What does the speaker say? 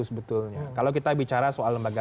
sebetulnya kalau kita bicara soal lembaga